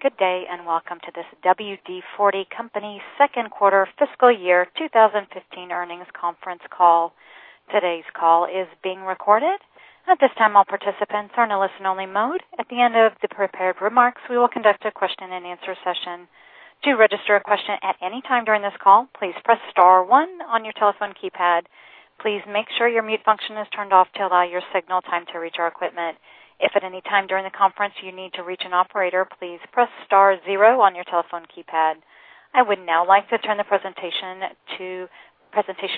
Good day, and welcome to this WD-40 Company second quarter fiscal year 2015 earnings conference call. Today's call is being recorded. At this time, all participants are in a listen-only mode. At the end of the prepared remarks, we will conduct a question-and-answer session. To register a question at any time during this call, please press star one on your telephone keypad. Please make sure your mute function is turned off to allow your signal time to reach our equipment. If at any time during the conference you need to reach an operator, please press star zero on your telephone keypad. I would now like to turn the presentation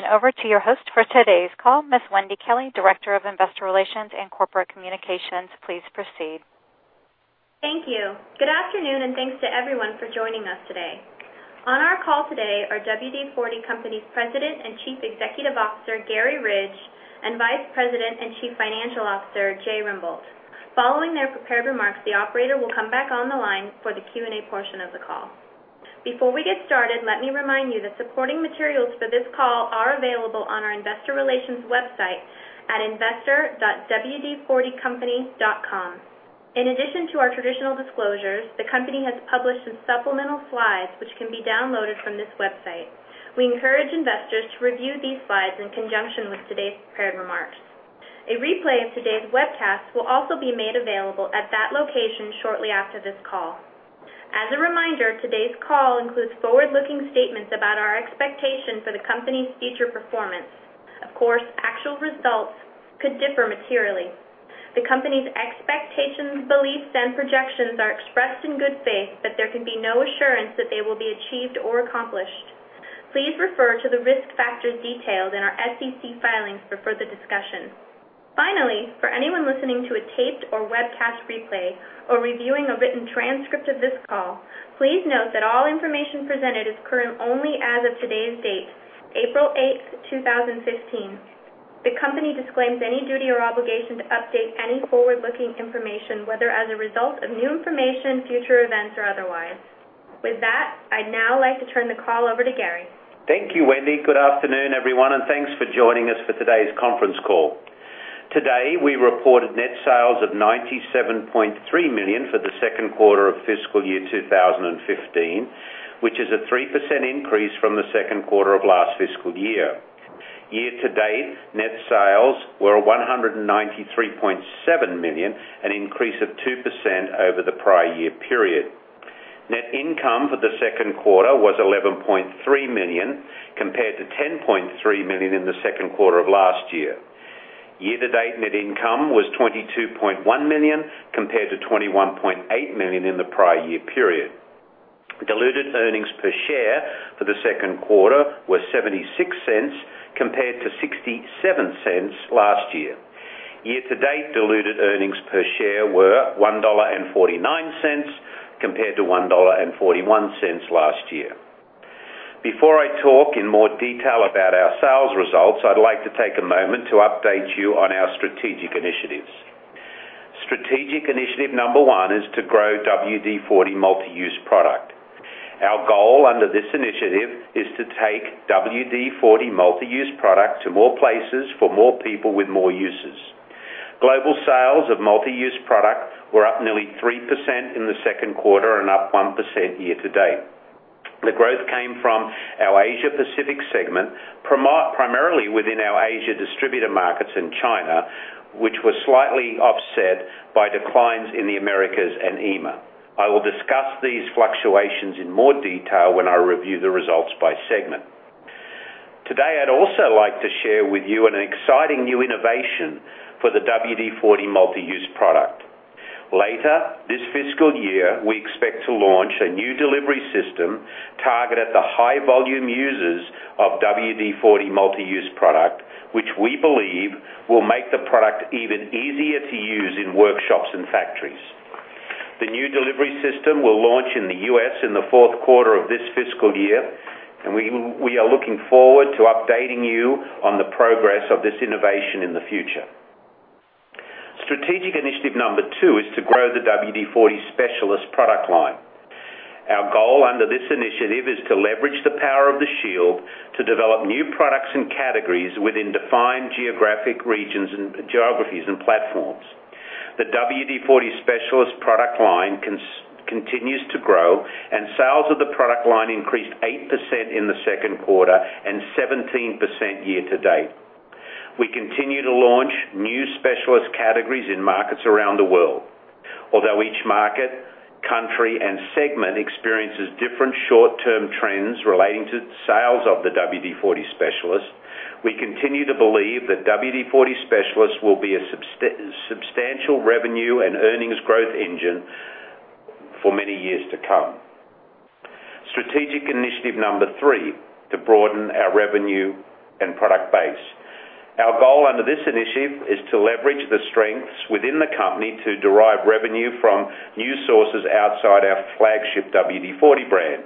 over to your host for today's call, Ms. Wendy Kelley, Director of Investor Relations and Corporate Communications. Please proceed. Thank you. Good afternoon and thanks to everyone for joining us today. On our call today are WD-40 Company's President and Chief Executive Officer, Garry Ridge, and Vice President and Chief Financial Officer, Jay Rembolt. Following their prepared remarks, the operator will come back on the line for the Q&A portion of the call. Before we get started, let me remind you that supporting materials for this call are available on our investor relations website at investor.wd40company.com. In addition to our traditional disclosures, the company has published some supplemental slides, which can be downloaded from this website. We encourage investors to review these slides in conjunction with today's prepared remarks. A replay of today's webcast will also be made available at that location shortly after this call. As a reminder, today's call includes forward-looking statements about our expectation for the company's future performance. Of course, actual results could differ materially. The company's expectations, beliefs, and projections are expressed in good faith, but there can be no assurance that they will be achieved or accomplished. Please refer to the risk factors detailed in our SEC filings for further discussion. Finally, for anyone listening to a taped or webcast replay or reviewing a written transcript of this call, please note that all information presented is current only as of today's date, April 8th, 2015. The company disclaims any duty or obligation to update any forward-looking information, whether as a result of new information, future events, or otherwise. With that, I'd now like to turn the call over to Garry. Thank you, Wendy. Good afternoon, everyone, and thanks for joining us for today's conference call. Today, we reported net sales of $97.3 million for the second quarter of fiscal year 2015, which is a 3% increase from the second quarter of last fiscal year. Year-to-date, net sales were $193.7 million, an increase of 2% over the prior year period. Net income for the second quarter was $11.3 million, compared to $10.3 million in the second quarter of last year. Year-to-date net income was $22.1 million, compared to $21.8 million in the prior year period. Diluted earnings per share for the second quarter were $0.76, compared to $0.67 last year. Year-to-date diluted earnings per share were $1.49 compared to $1.41 last year. Before I talk in more detail about our sales results, I'd like to take a moment to update you on our strategic initiatives. Strategic Initiative Number One is to grow WD-40 Multi-Use Product. Our goal under this initiative is to take WD-40 Multi-Use Product to more places for more people with more uses. Global sales of Multi-Use Product were up nearly 3% in the second quarter and up 1% year-to-date. The growth came from our Asia Pacific segment, primarily within our Asia distributor markets in China, which was slightly offset by declines in the Americas and EMEA. I will discuss these fluctuations in more detail when I review the results by segment. Today, I'd also like to share with you an exciting new innovation for the WD-40 Multi-Use Product. Later this fiscal year, we expect to launch a new delivery system targeted at the high-volume users of WD-40 Multi-Use Product, which we believe will make the product even easier to use in workshops and factories. The new delivery system will launch in the U.S. in the fourth quarter of this fiscal year. We are looking forward to updating you on the progress of this innovation in the future. Strategic Initiative Number Two is to grow the WD-40 Specialist product line. Our goal under this initiative is to leverage the power of the shield to develop new products and categories within defined geographic regions and geographies and platforms. The WD-40 Specialist product line continues to grow, and sales of the product line increased 8% in the second quarter and 17% year-to-date. Each market, country, and segment experiences different short-term trends relating to sales of the WD-40 Specialist. We continue to believe that WD-40 Specialist will be a substantial revenue and earnings growth engine for many years to come. Strategic Initiative Number Three, to broaden our revenue and product base. Our goal under this initiative is to leverage the strengths within the company to derive revenue from new sources outside our flagship WD-40 brand.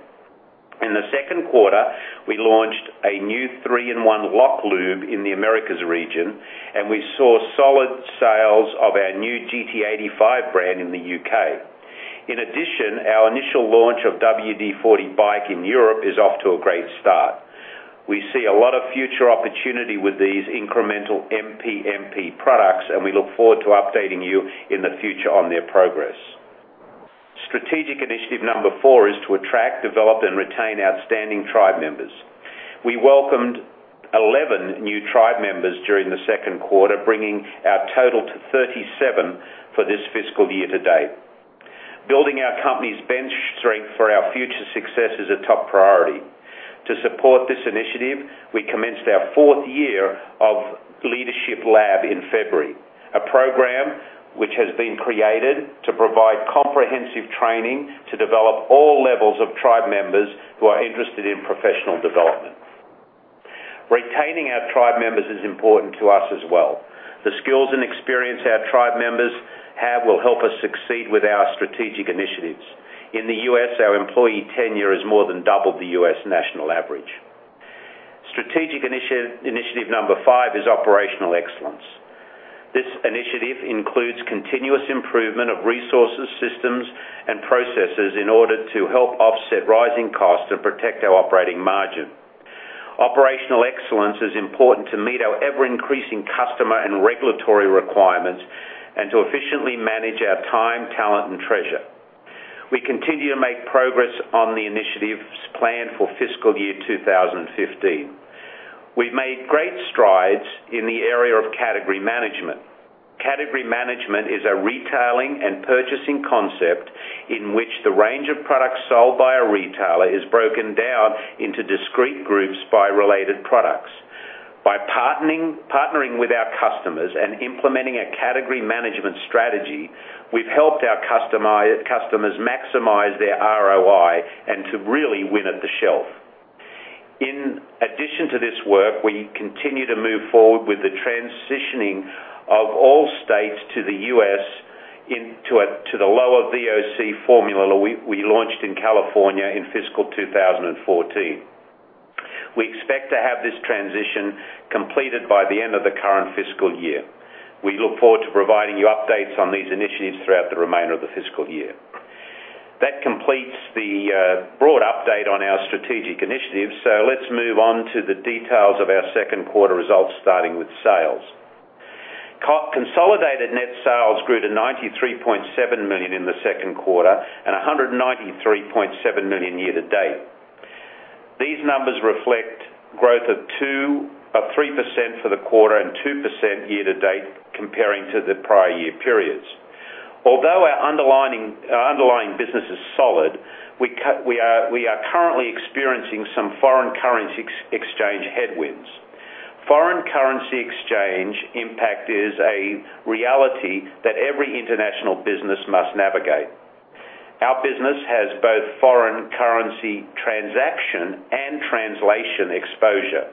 In the second quarter, we launched a new 3-IN-ONE Lock Lube in the Americas region. We saw solid sales of our new GT85 brand in the U.K. In addition, our initial launch of WD-40 BIKE in Europe is off to a great start. We see a lot of future opportunity with these incremental MPMP products. We look forward to updating you in the future on their progress. Strategic Initiative Number Four is to attract, develop, and retain outstanding tribe members. We welcomed 11 new tribe members during the second quarter, bringing our total to 37 for this fiscal year-to-date. Building our company's bench strength for our future success is a top priority. To support this initiative, we commenced our fourth year of Leadership Lab in February, a program which has been created to provide comprehensive training to develop all levels of tribe members who are interested in professional development. Retaining our tribe members is important to us as well. The skills and experience our tribe members have will help us succeed with our strategic initiatives. In the U.S., our employee tenure has more than doubled the U.S. national average. Strategic Initiative Number Five is Operational Excellence. This initiative includes continuous improvement of resources, systems, and processes in order to help offset rising costs and protect our operating margin. Operational Excellence is important to meet our ever-increasing customer and regulatory requirements and to efficiently manage our time, talent, and treasure. We continue to make progress on the initiatives planned for fiscal year 2015. We've made great strides in the area of category management. Category management is a retailing and purchasing concept in which the range of products sold by a retailer is broken down into discrete groups by related products. By partnering with our customers and implementing a category management strategy, we've helped our customers maximize their ROI and to really win at the shelf. In addition to this work, we continue to move forward with the transitioning of all states to the U.S. into the lower VOC formula we launched in California in fiscal 2014. We expect to have this transition completed by the end of the current fiscal year. We look forward to providing you updates on these initiatives throughout the remainder of the fiscal year. That completes the broad update on our strategic initiatives. Let's move on to the details of our second quarter results, starting with sales. Consolidated net sales grew to $93.7 million in the second quarter and $193.7 million year to date. These numbers reflect growth of 3% for the quarter and 2% year to date comparing to the prior year periods. Although our underlying business is solid, we are currently experiencing some foreign currency exchange headwinds. Foreign currency exchange impact is a reality that every international business must navigate. Our business has both foreign currency transaction and translation exposure.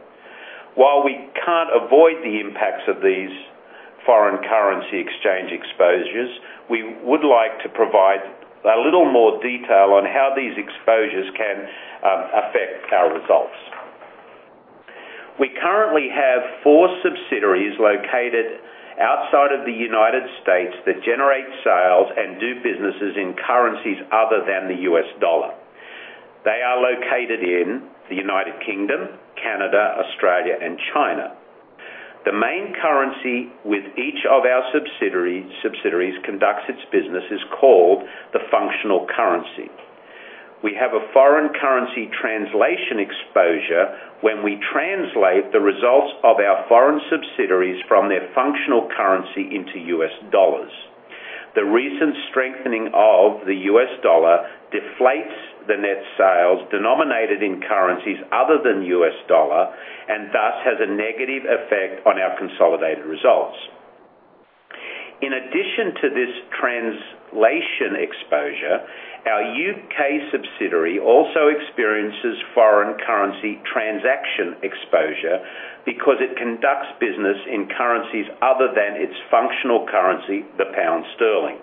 While we can't avoid the impacts of these foreign currency exchange exposures, we would like to provide a little more detail on how these exposures can affect our results. We currently have four subsidiaries located outside of the United States that generate sales and do businesses in currencies other than the US dollar. They are located in the United Kingdom, Canada, Australia, and China. The main currency with each of our subsidiaries conducts its business is called the functional currency. We have a foreign currency translation exposure when we translate the results of our foreign subsidiaries from their functional currency into US dollars. The recent strengthening of the US dollar deflates the net sales denominated in currencies other than US dollar, and thus has a negative effect on our consolidated results. In addition to this translation exposure, our U.K. subsidiary also experiences foreign currency transaction exposure because it conducts business in currencies other than its functional currency, the pound sterling.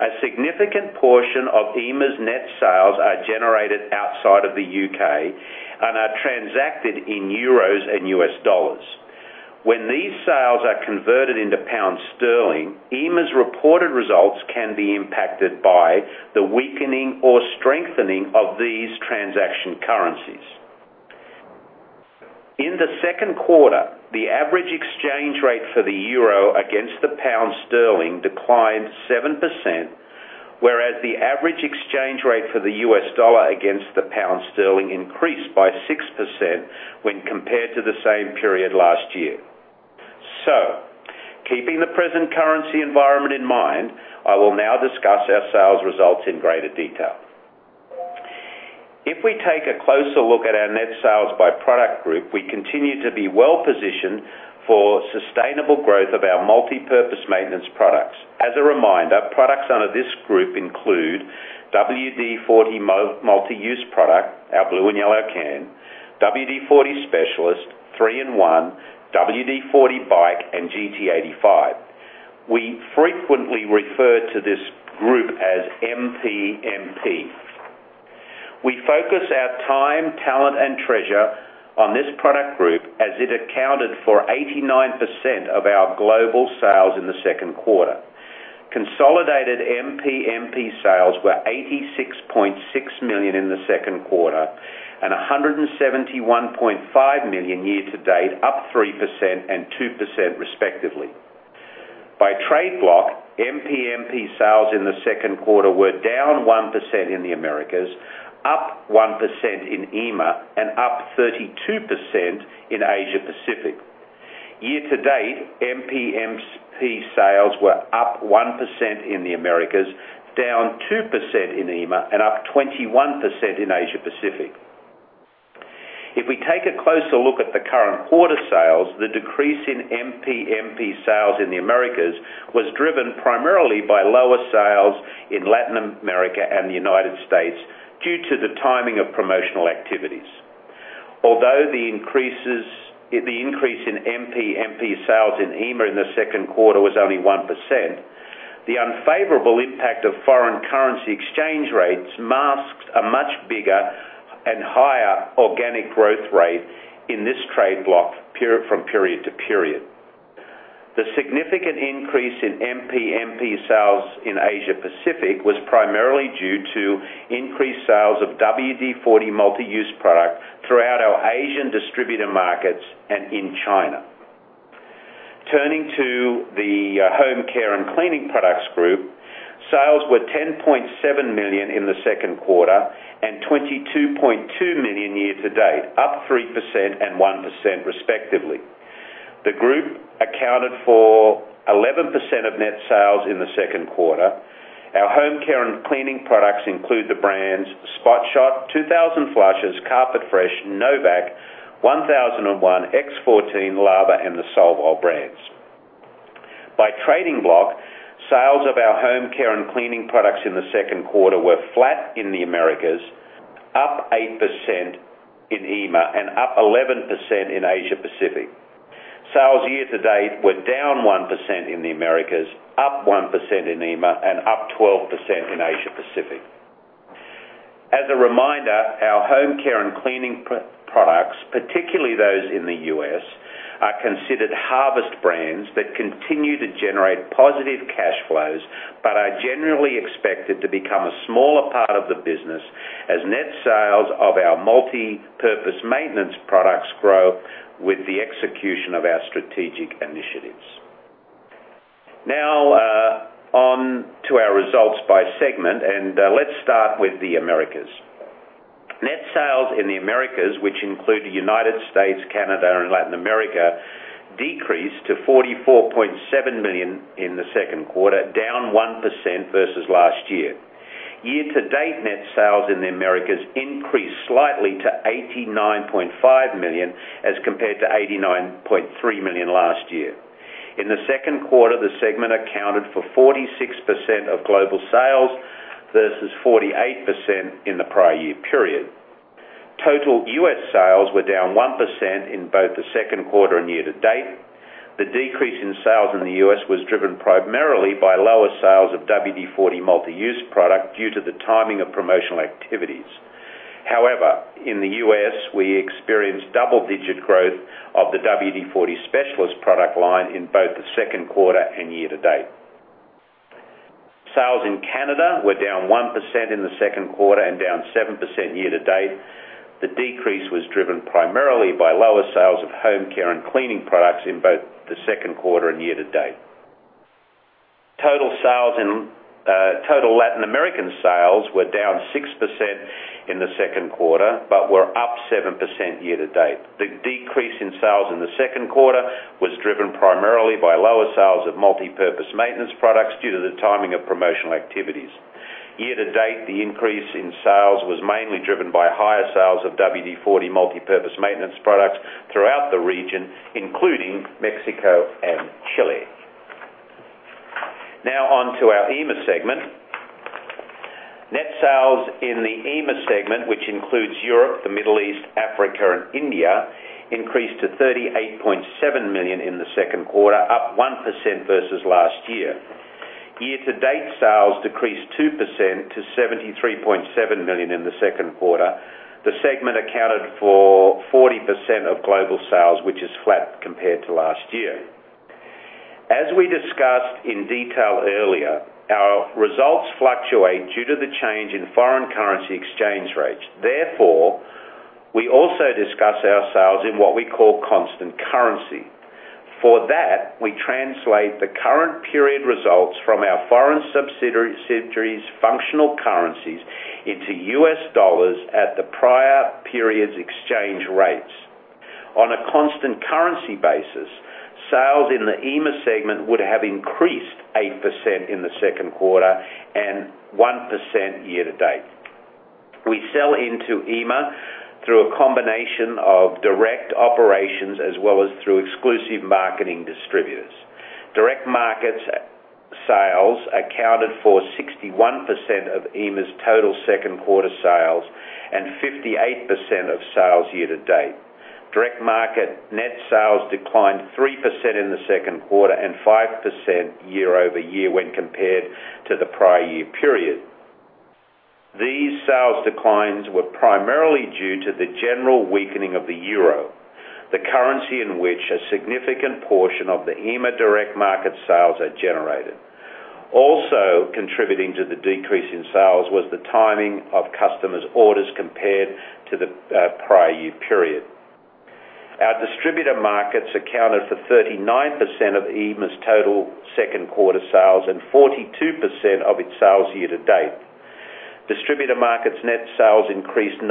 A significant portion of EMA's net sales are generated outside of the U.K. and are transacted in euros and US dollars. When these sales are converted into pound sterling, EMA's reported results can be impacted by the weakening or strengthening of these transaction currencies. In the second quarter, the average exchange rate for the euro against the pound sterling declined 7%, whereas the average exchange rate for the US dollar against the pound sterling increased by 6% when compared to the same period last year. Keeping the present currency environment in mind, I will now discuss our sales results in greater detail. If we take a closer look at our net sales by product group, we continue to be well positioned for sustainable growth of our multi-purpose maintenance products. As a reminder, products under this group include WD-40 Multi-Use Product, our blue and yellow can, WD-40 Specialist 3-IN-ONE, WD-40 BIKE, and GT85. We frequently refer to this group as MPMP. We focus our time, talent, and treasure on this product group as it accounted for 89% of our global sales in the second quarter. Consolidated MPMP sales were $86.6 million in the second quarter and $171.5 million year to date, up 3% and 2% respectively. By trade block, MPMP sales in the second quarter were down 1% in the Americas, up 1% in EMEA, and up 32% in Asia Pacific. Year to date, MPMP sales were up 1% in the Americas, down 2% in EMEA, and up 21% in Asia Pacific. If we take a closer look at the current quarter sales, the decrease in MPMP sales in the Americas was driven primarily by lower sales in Latin America and the United States due to the timing of promotional activities. Although the increase in MPMP sales in EMEA in the second quarter was only 1%, the unfavorable impact of foreign currency exchange rates masks a much bigger and higher organic growth rate in this trade block from period to period. The significant increase in MPMP sales in Asia Pacific was primarily due to increased sales of WD-40 Multi-Use Product throughout our Asian distributor markets and in China. Turning to the home care and cleaning products group. Sales were $10.7 million in the second quarter and $22.2 million year to date, up 3% and 1% respectively. The group accounted for 11% of net sales in the second quarter. Our home care and cleaning products include the brands Spot Shot, 2000 Flushes, Carpet Fresh, no vac, 1001, X-14, Lava, and the Solvol brands. By trading block, sales of our home care and cleaning products in the second quarter were flat in the Americas, up 8% in EMEA, and up 11% in Asia Pacific. Sales year to date were down 1% in the Americas, up 1% in EMEA, and up 12% in Asia Pacific. As a reminder, our home care and cleaning products, particularly those in the U.S., are considered harvest brands that continue to generate positive cash flows, but are generally expected to become a smaller part of the business as net sales of our multipurpose maintenance products grow with the execution of our strategic initiatives. On to our results by segment, let's start with the Americas. Net sales in the Americas, which include the United States, Canada, and Latin America, decreased to $44.7 million in the second quarter, down 1% versus last year. Year to date, net sales in the Americas increased slightly to $89.5 million as compared to $89.3 million last year. In the second quarter, the segment accounted for 46% of global sales versus 48% in the prior year period. Total U.S. sales were down 1% in both the second quarter and year to date. The decrease in sales in the U.S. was driven primarily by lower sales of WD-40 Multi-Use Product due to the timing of promotional activities. However, in the U.S., we experienced double-digit growth of the WD-40 Specialist product line in both the second quarter and year to date. Sales in Canada were down 1% in the second quarter and down 7% year to date. The decrease was driven primarily by lower sales of home care and cleaning products in both the second quarter and year to date. Total Latin American sales were down 6% in the second quarter, but were up 7% year-to-date. The decrease in sales in the second quarter was driven primarily by lower sales of multipurpose maintenance products due to the timing of promotional activities. Year-to-date, the increase in sales was mainly driven by higher sales of WD-40 Multi-Use Product throughout the region, including Mexico and Chile. Now on to our EMEA segment. Net sales in the EMEA segment, which includes Europe, the Middle East, Africa, and India, increased to $38.7 million in the second quarter, up 1% versus last year. Year-to-date sales decreased 2% to $73.7 million in the second quarter. The segment accounted for 40% of global sales, which is flat compared to last year. As we discussed in detail earlier, our results fluctuate due to the change in foreign currency exchange rates. We also discuss our sales in what we call constant currency. For that, we translate the current period results from our foreign subsidiaries' functional currencies into U.S. dollars at the prior period's exchange rates. On a constant currency basis, sales in the EMEA segment would have increased 8% in the second quarter and 1% year-to-date. We sell into EMEA through a combination of direct operations as well as through exclusive marketing distributors. Direct markets sales accounted for 61% of EMEA's total second quarter sales and 58% of sales year-to-date. Direct market net sales declined 3% in the second quarter and 5% year-over-year when compared to the prior year period. These sales declines were primarily due to the general weakening of the euro, the currency in which a significant portion of the EMEA direct market sales are generated. Also contributing to the decrease in sales was the timing of customers' orders compared to the prior year period. Our distributor markets accounted for 39% of EMEA's total second quarter sales and 42% of its sales year-to-date. Distributor markets net sales increased 9%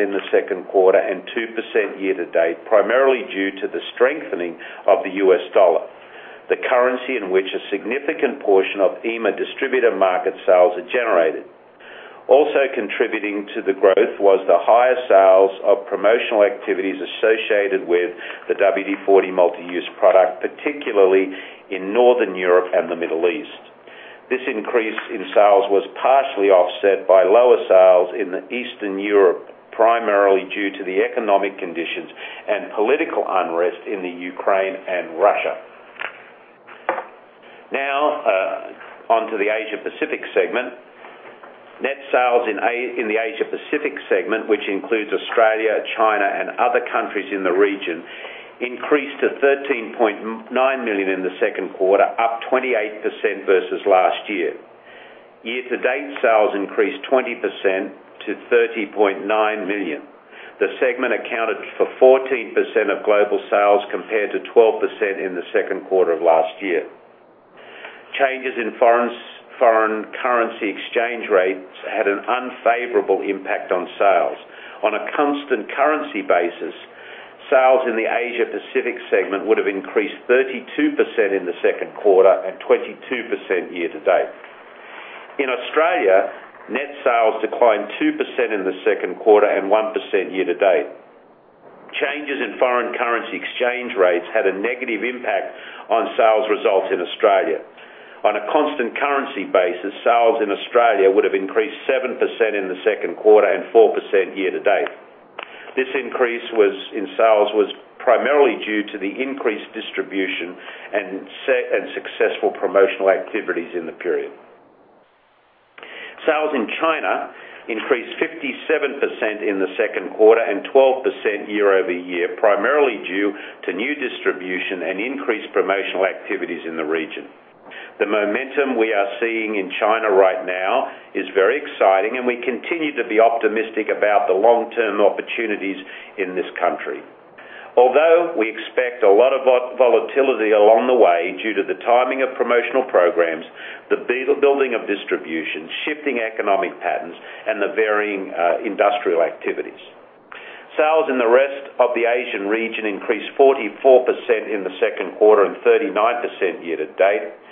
in the second quarter and 2% year-to-date, primarily due to the strengthening of the U.S. dollar, the currency in which a significant portion of EMEA distributor market sales are generated. Also contributing to the growth was the higher sales of promotional activities associated with the WD-40 Multi-Use Product, particularly in Northern Europe and the Middle East. This increase in sales was partially offset by lower sales in Eastern Europe, primarily due to the economic conditions and political unrest in Ukraine and Russia. Now on to the Asia Pacific segment. Net sales in the Asia Pacific segment, which includes Australia, China, and other countries in the region, increased to $13.9 million in the second quarter, up 28% versus last year. Year-to-date sales increased 20% to $30.9 million. The segment accounted for 14% of global sales, compared to 12% in the second quarter of last year. Changes in foreign currency exchange rates had an unfavorable impact on sales. On a constant currency basis, sales in the Asia Pacific segment would have increased 32% in the second quarter and 22% year-to-date. In Australia, net sales declined 2% in the second quarter and 1% year-to-date. Changes in foreign currency exchange rates had a negative impact on sales results in Australia. On a constant currency basis, sales in Australia would have increased 7% in the second quarter and 4% year-to-date. This increase in sales was primarily due to the increased distribution and successful promotional activities in the period. Sales in China increased 57% in the second quarter and 12% year-over-year, primarily due to new distribution and increased promotional activities in the region. The momentum we are seeing in China right now is very exciting, and we continue to be optimistic about the long-term opportunities in this country. Although we expect a lot of volatility along the way due to the timing of promotional programs, the building of distribution, shifting economic patterns, and the varying industrial activities. Sales in the rest of the Asian region increased 44% in the second quarter and 39% year-to-date.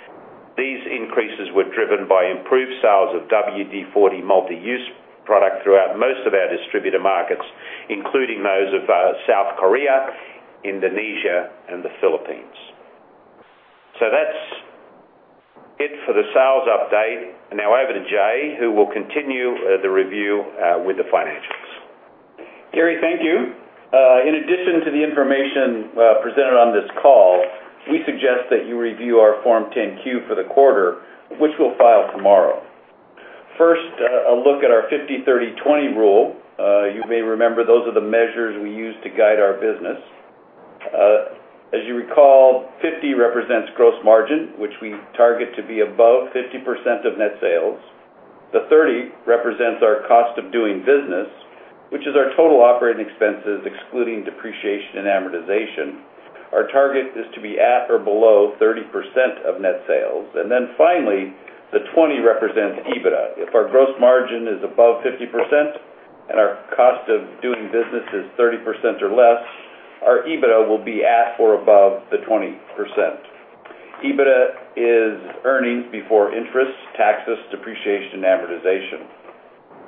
These increases were driven by improved sales of WD-40 Multi-Use Product throughout most of our distributor markets, including those of South Korea, Indonesia, and the Philippines. That's it for the sales update. Over to Jay, who will continue the review with the financials. Garry, thank you. In addition to the information presented on this call, we suggest that you review our Form 10-Q for the quarter, which we'll file tomorrow. First, a look at our 50/30/20 rule. You may remember, those are the measures we use to guide our business. As you recall, 50 represents gross margin, which we target to be above 50% of net sales. The 30 represents our cost of doing business, which is our total operating expenses, excluding depreciation and amortization. Our target is to be at or below 30% of net sales. Finally, the 20 represents EBITDA. If our gross margin is above 50% and our cost of doing business is 30% or less, our EBITDA will be at or above the 20%. EBITDA is earnings before interest, taxes, depreciation, and amortization.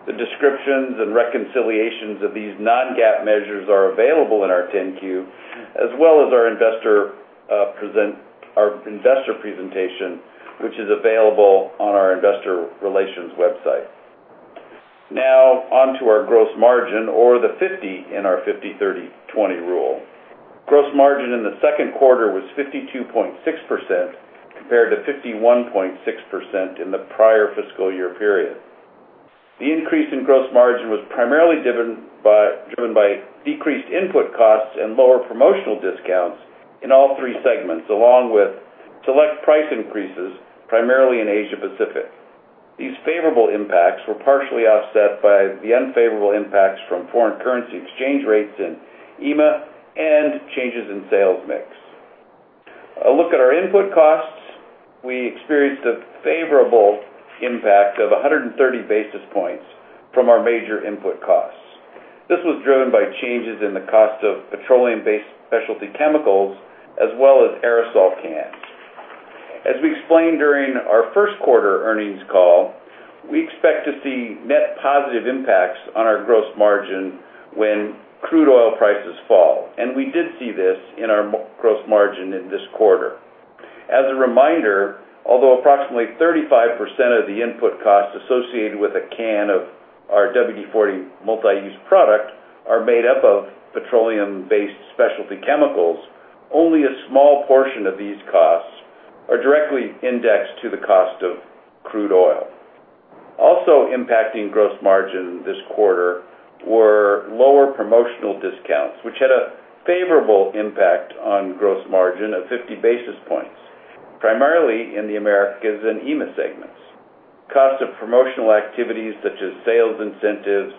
The descriptions and reconciliations of these non-GAAP measures are available in our 10-Q, as well as our investor presentation, which is available on our investor relations website. On to our gross margin or the 50 in our 50/30/20 rule. Gross margin in the second quarter was 52.6% compared to 51.6% in the prior fiscal year period. The increase in gross margin was primarily driven by decreased input costs and lower promotional discounts in all three segments, along with select price increases, primarily in Asia Pacific. These favorable impacts were partially offset by the unfavorable impacts from foreign currency exchange rates in EMEA and changes in sales mix. A look at our input costs. We experienced a favorable impact of 130 basis points from our major input costs. This was driven by changes in the cost of petroleum-based specialty chemicals as well as aerosol cans. As we explained during our first quarter earnings call, we expect to see net positive impacts on our gross margin when crude oil prices fall. We did see this in our gross margin in this quarter. As a reminder, although approximately 35% of the input costs associated with a can of our WD-40 Multi-Use Product are made up of petroleum-based specialty chemicals, only a small portion of these costs are directly indexed to the cost of crude oil. Also impacting gross margin this quarter were lower promotional discounts, which had a favorable impact on gross margin of 50 basis points, primarily in the Americas and EMEA segments. Cost of promotional activities such as sales incentives,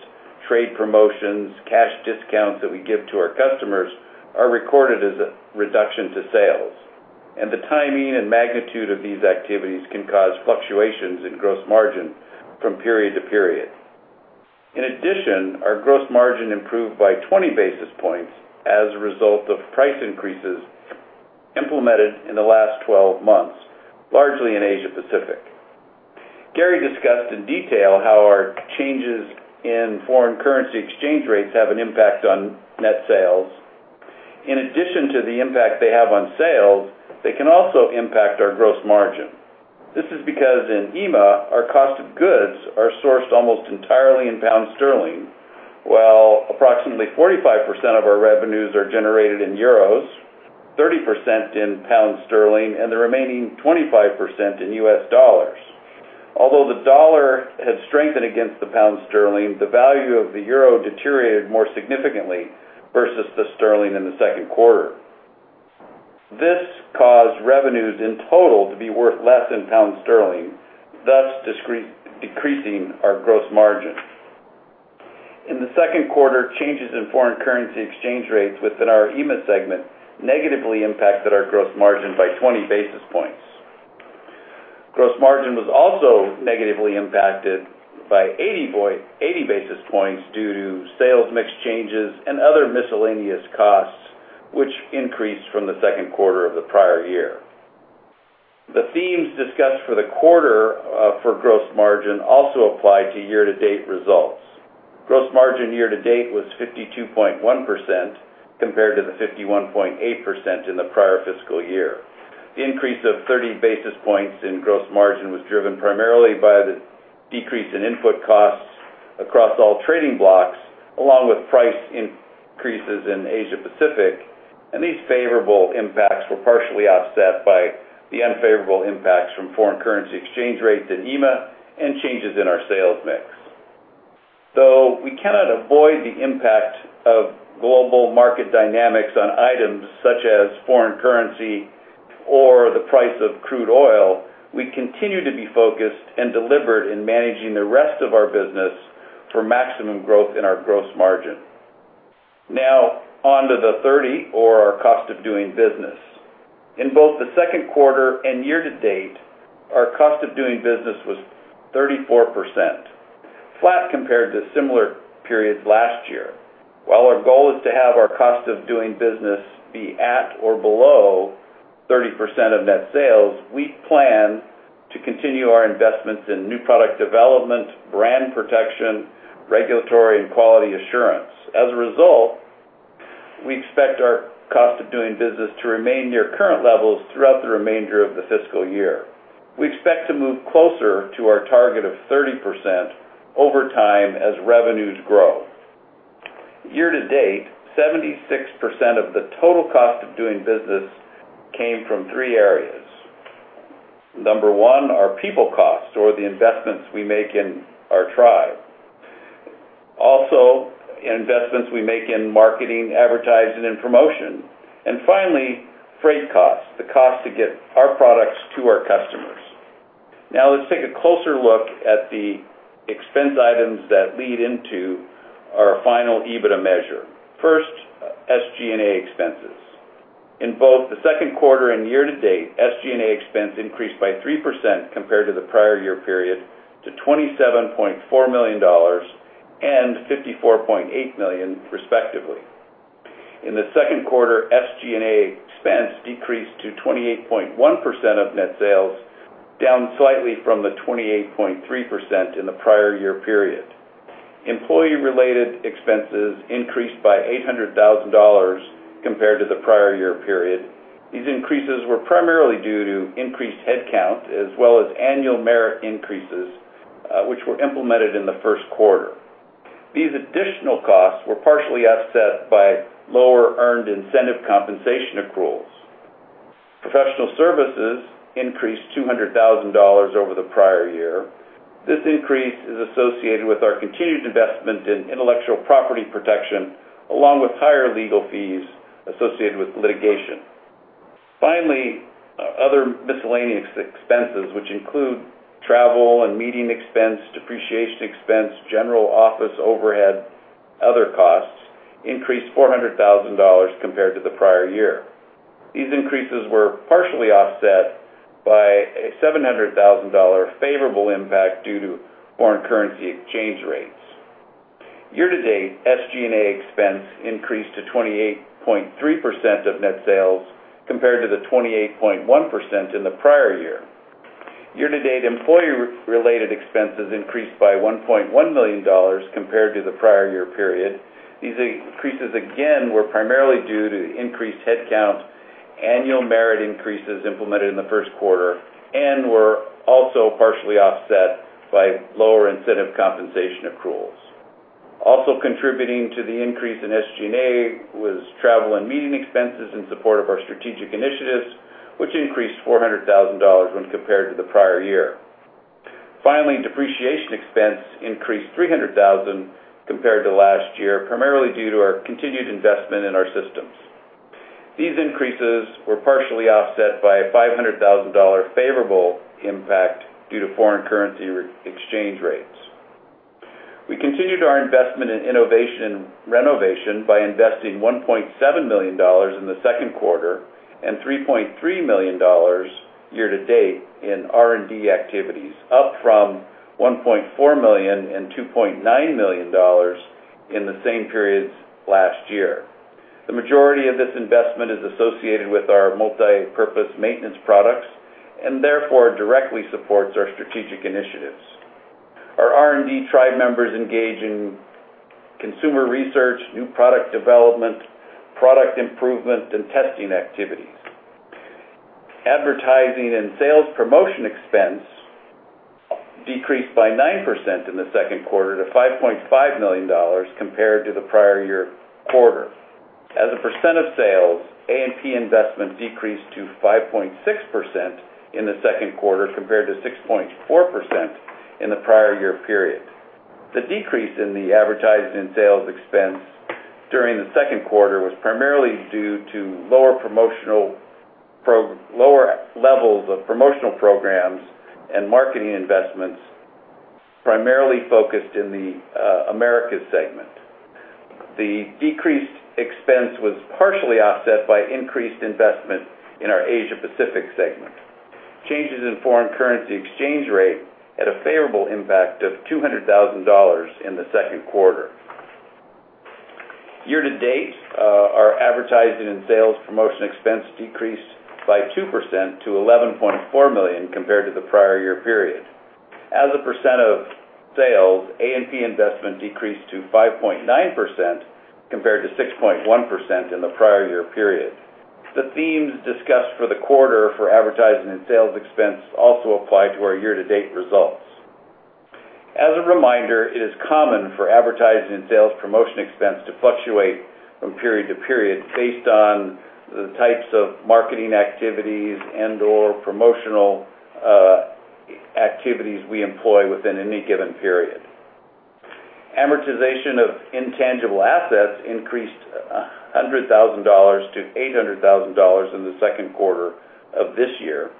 trade promotions, cash discounts that we give to our customers are recorded as a reduction to sales. The timing and magnitude of these activities can cause fluctuations in gross margin from period to period. In addition, our gross margin improved by 20 basis points as a result of price increases implemented in the last 12 months, largely in Asia Pacific. Garry discussed in detail how our changes in foreign currency exchange rates have an impact on net sales. In addition to the impact they have on sales, they can also impact our gross margin. This is because in EMEA, our cost of goods are sourced almost entirely in GBP, while approximately 45% of our revenues are generated in EUR, 30% in GBP, and the remaining 25% in USD. The dollar had strengthened against the GBP, the value of the EUR deteriorated more significantly versus the GBP in the second quarter. This caused revenues in total to be worth less in GBP, thus decreasing our gross margin. In the second quarter, changes in foreign currency exchange rates within our EMEA segment negatively impacted our gross margin by 20 basis points. Gross margin was also negatively impacted by 80 basis points due to sales mix changes and other miscellaneous costs, which increased from the second quarter of the prior year. The themes discussed for the quarter for gross margin also apply to year-to-date results. Gross margin year-to-date was 52.1% compared to the 51.8% in the prior fiscal year. The increase of 30 basis points in gross margin was driven primarily by the decrease in input costs across all trading blocks, along with price increases in Asia Pacific. These favorable impacts were partially offset by the unfavorable impacts from foreign currency exchange rates in EMEA and changes in our sales mix. We cannot avoid the impact of global market dynamics on items such as foreign currency or the price of crude oil, we continue to be focused and deliberate in managing the rest of our business for maximum growth in our gross margin. On to the 30, or our cost of doing business. In both the second quarter and year-to-date, our cost of doing business was 34%, flat compared to similar periods last year. While our goal is to have our cost of doing business be at or below 30% of net sales, we plan to continue our investments in new product development, brand protection, regulatory, and quality assurance. As a result, we expect our cost of doing business to remain near current levels throughout the remainder of the fiscal year. We expect to move closer to our target of 30% over time as revenues grow. Year to date, 76% of the total cost of doing business came from three areas. Number one, our people costs, or the investments we make in our tribe. Also, investments we make in marketing, advertising, and promotion. Finally, freight costs, the cost to get our products to our customers. Now let's take a closer look at the expense items that lead into our final EBITDA measure. First, SG&A expenses. In both the second quarter and year to date, SG&A expense increased by 3% compared to the prior year period to $27.4 million and $54.8 million, respectively. In the second quarter, SG&A expense decreased to 28.1% of net sales, down slightly from the 28.3% in the prior year period. Employee-related expenses increased by $800,000 compared to the prior year period. These increases were primarily due to increased headcount, as well as annual merit increases, which were implemented in the first quarter. These additional costs were partially offset by lower earned incentive compensation accruals. Professional services increased $200,000 over the prior year. This increase is associated with our continued investment in intellectual property protection, along with higher legal fees associated with litigation. Finally, other miscellaneous expenses, which include travel and meeting expense, depreciation expense, general office overhead, other costs increased $400,000 compared to the prior year. These increases were partially offset by a $700,000 favorable impact due to foreign currency exchange rates. Year to date, SG&A expense increased to 28.3% of net sales compared to the 28.1% in the prior year. Year to date, employee-related expenses increased by $1.1 million compared to the prior year period. These increases, again, were primarily due to increased headcounts, annual merit increases implemented in the first quarter, and were also partially offset by lower incentive compensation accruals. Also contributing to the increase in SG&A was travel and meeting expenses in support of our strategic initiatives, which increased $400,000 when compared to the prior year. Finally, depreciation expense increased $300,000 compared to last year, primarily due to our continued investment in our systems. These increases were partially offset by a $500,000 favorable impact due to foreign currency exchange rates. We continued our investment in innovation renovation by investing $1.7 million in the second quarter and $3.3 million year to date in R&D activities, up from $1.4 million and $2.9 million in the same periods last year. The majority of this investment is associated with our multipurpose maintenance products, and therefore, directly supports our strategic initiatives. Our R&D tribe members engage in consumer research, new product development, product improvement, and testing activities. Advertising and sales promotion expense decreased by 9% in the second quarter to $5.5 million compared to the prior year quarter. As a % of sales, A&P investment decreased to 5.6% in the second quarter, compared to 6.4% in the prior year period. The decrease in the advertising sales expense during the second quarter was primarily due to lower levels of promotional programs and marketing investments, primarily focused in the Americas segment. The decreased expense was partially offset by increased investment in our Asia Pacific segment. Changes in foreign currency exchange rate had a favorable impact of $200,000 in the second quarter. Year to date, our advertising and sales promotion expense decreased by 2% to $11.4 million compared to the prior year period. As a percent of sales, A&P investment decreased to 5.9% compared to 6.1% in the prior year period. The themes discussed for the quarter for advertising and sales expense also apply to our year-to-date results. As a reminder, it is common for advertising and sales promotion expense to fluctuate from period to period based on the types of marketing activities and/or promotional activities we employ within any given period. Amortization of intangible assets increased $100,000 to $800,000 in the second quarter of this year.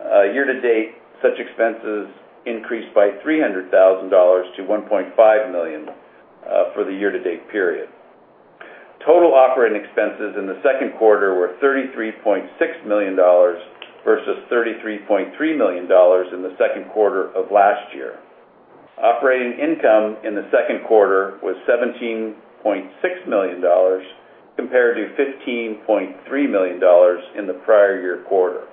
Year to date, such expenses increased by $300,000 to $1.5 million for the year-to-date period. Total operating expenses in the second quarter were $33.6 million versus $33.3 million in the second quarter of last year. Operating income in the second quarter was $17.6 million compared to $15.3 million in the prior year quarter.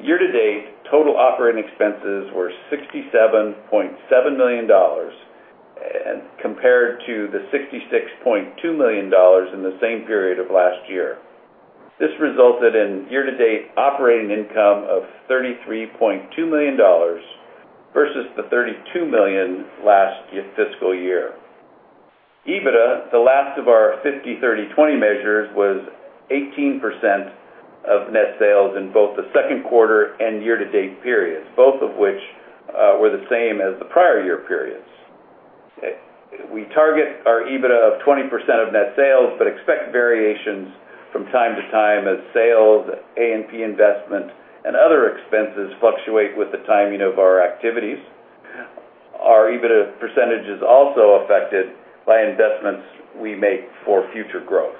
Year to date, total operating expenses were $67.7 million compared to the $66.2 million in the same period of last year. This resulted in year-to-date operating income of $33.2 million versus the $32 million last fiscal year. EBITDA, the last of our 50/30/20 measures, was 18% of net sales in both the second quarter and year-to-date periods, both of which were the same as the prior year periods. We target our EBITDA of 20% of net sales, but expect variations from time to time as sales, A&P investment, and other expenses fluctuate with the timing of our activities. Our EBITDA percentage is also affected by investments we make for future growth.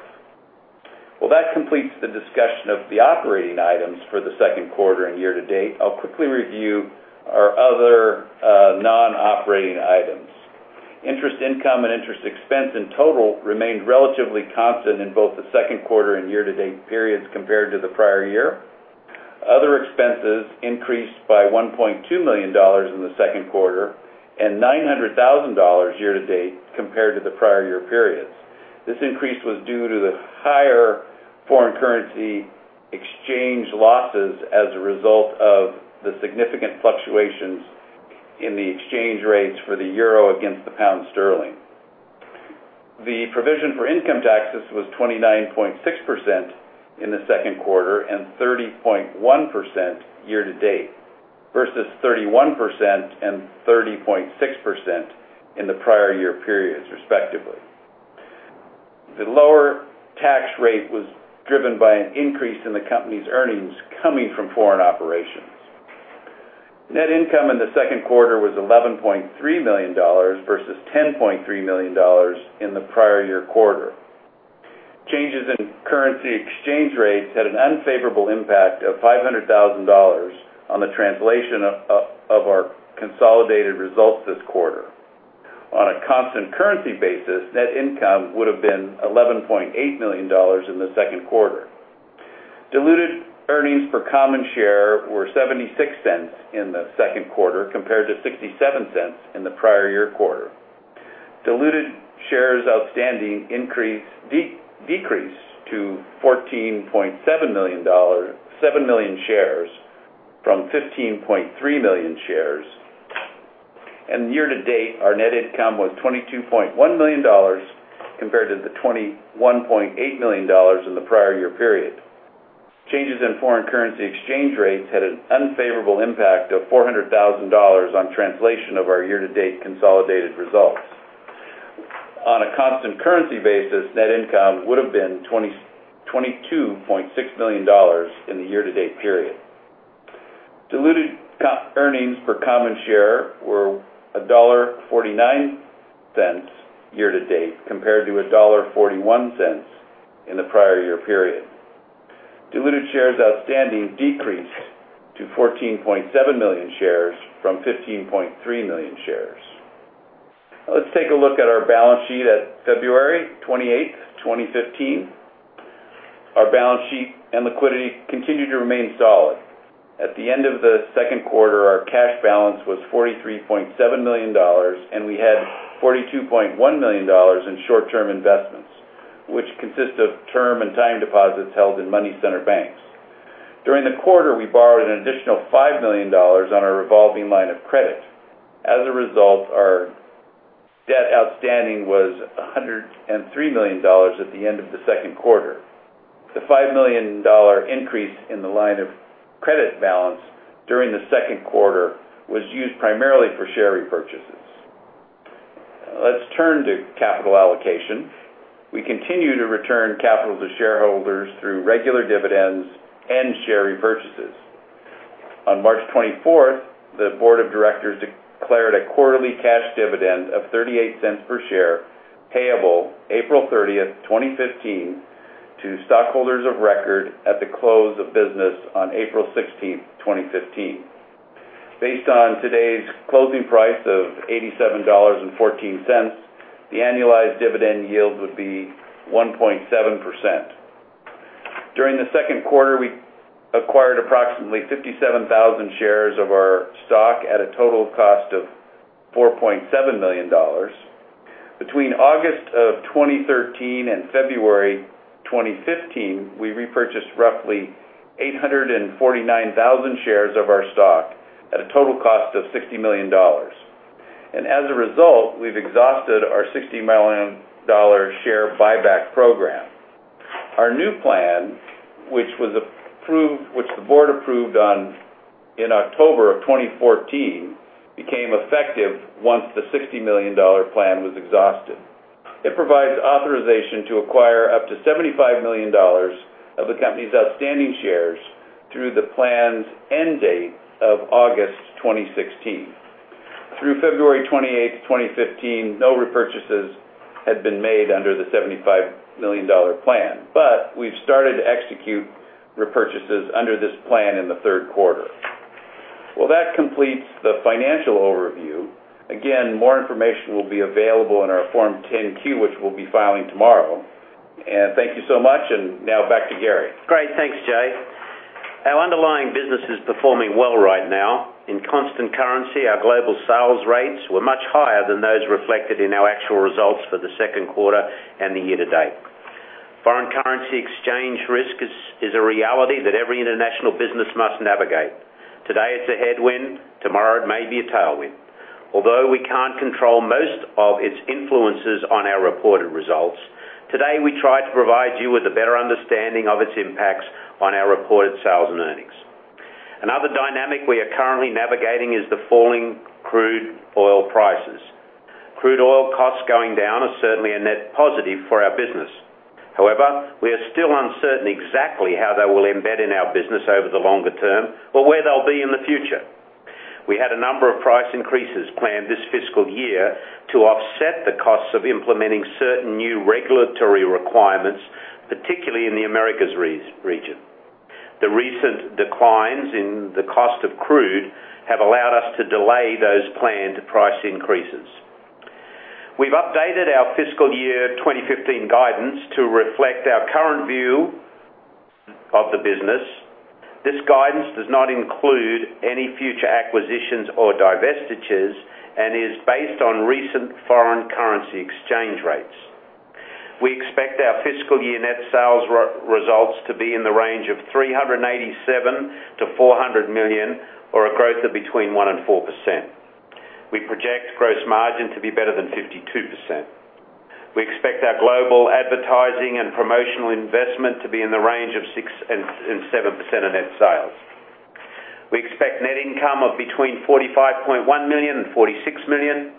That completes the discussion of the operating items for the second quarter and year to date. I'll quickly review our other non-operating items. Interest income and interest expense in total remained relatively constant in both the second quarter and year-to-date periods compared to the prior year. Other expenses increased by $1.2 million in the second quarter and $900,000 year to date compared to the prior year periods. This increase was due to the higher foreign currency exchange losses as a result of the significant fluctuations in the exchange rates for the euro against the pound sterling. The provision for income taxes was 29.6% in the second quarter and 30.1% year to date versus 31% and 30.6% in the prior year periods, respectively. The lower tax rate was driven by an increase in the company's earnings coming from foreign operations. Net income in the second quarter was $11.3 million versus $10.3 million in the prior year quarter. Changes in currency exchange rates had an unfavorable impact of $500,000 on the translation of our consolidated results this quarter. On a constant currency basis, net income would've been $11.8 million in the second quarter. Diluted earnings per common share were $0.76 in the second quarter, compared to $0.67 in the prior year quarter. Diluted shares outstanding decreased to 14.7 million shares from 15.3 million shares. Year-to-date, our net income was $22.1 million compared to the $21.8 million in the prior year period. Changes in foreign currency exchange rates had an unfavorable impact of $400,000 on translation of our year-to-date consolidated results. On a constant currency basis, net income would have been $22.6 million in the year-to-date period. Diluted earnings per common share were $1.49 year-to-date compared to $1.41 in the prior year period. Diluted shares outstanding decreased to 14.7 million shares from 15.3 million shares. Let's take a look at our balance sheet as of February 28, 2015. Our balance sheet and liquidity continue to remain solid. At the end of the second quarter, our cash balance was $43.7 million, and we had $42.1 million in short-term investments, which consist of term and time deposits held in money center banks. During the quarter, we borrowed an additional $5 million on our revolving line of credit. As a result, our debt outstanding was $103 million at the end of the second quarter. The $5 million increase in the line of credit balance during the second quarter was used primarily for share repurchases. Let's turn to capital allocation. We continue to return capital to shareholders through regular dividends and share repurchases. On March 24th, the board of directors declared a quarterly cash dividend of $0.38 per share, payable April 30th, 2015, to stockholders of record at the close of business on April 16th, 2015. Based on today's closing price of $87.14, the annualized dividend yield would be 1.7%. During the second quarter, we acquired approximately 57,000 shares of our stock at a total cost of $4.7 million. Between August of 2013 and February 2015, we repurchased roughly 849,000 shares of our stock at a total cost of $60 million. As a result, we've exhausted our $60 million share buyback program. Our new plan, which the board approved in October of 2014, became effective once the $60 million plan was exhausted. It provides authorization to acquire up to $75 million of the company's outstanding shares through the plan's end date of August 2016. Through February 28th, 2015, no repurchases had been made under the $75 million plan. We've started to execute repurchases under this plan in the third quarter. Well, that completes the financial overview. Again, more information will be available in our Form 10-Q, which we'll be filing tomorrow. Thank you so much. Now back to Garry. Great. Thanks, Jay. Our underlying business is performing well right now. In constant currency, our global sales rates were much higher than those reflected in our actual results for the second quarter and the year-to-date. Foreign currency exchange risk is a reality that every international business must navigate. Today, it's a headwind. Tomorrow, it may be a tailwind. Although we can't control most of its influences on our reported results, today, we try to provide you with a better understanding of its impacts on our reported sales and earnings. Another dynamic we are currently navigating is the falling crude oil prices. Crude oil costs going down are certainly a net positive for our business. However, we are still uncertain exactly how they will embed in our business over the longer term or where they'll be in the future. We had a number of price increases planned this fiscal year to offset the costs of implementing certain new regulatory requirements, particularly in the Americas region. The recent declines in the cost of crude have allowed us to delay those planned price increases. We've updated our fiscal year 2015 guidance to reflect our current view of the business. This guidance does not include any future acquisitions or divestitures and is based on recent foreign currency exchange rates. We expect our fiscal year net sales results to be in the range of $387 million-$400 million, or a growth of between 1% and 4%. We project gross margin to be better than 52%. We expect our global advertising and promotional investment to be in the range of 6% and 7% of net sales. We expect net income of between $45.1 million and $46 million,